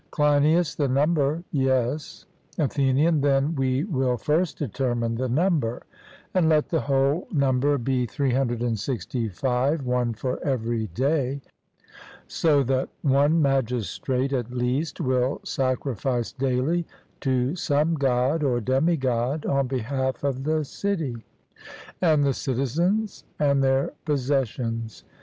CLEINIAS: The number yes. ATHENIAN: Then we will first determine the number; and let the whole number be 365 one for every day so that one magistrate at least will sacrifice daily to some God or demi god on behalf of the city, and the citizens, and their possessions.